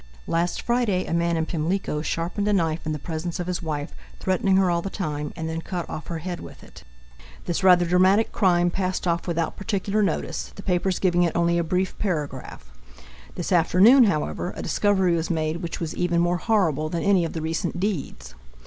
Last Friday a man in Pimlico sharpened a knife in the presence of his wife, threatening her all the time, and then cut off her head with it. This rather dramatic crime passed off without particular notice, the papers giving it only a brief paragraph. This afternoon, however, a discovery was made which was even more horrible than any of the recent deeds.